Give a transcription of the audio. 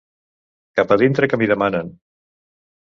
Cap a dintre que m'hi demanen.